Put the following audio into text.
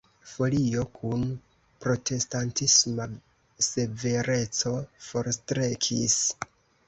Folio kun protestantisma severeco forstrekis.